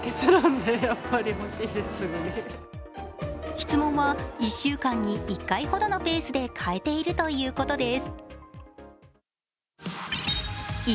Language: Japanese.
質問は１週間に１回ほどのペースで変えているということです。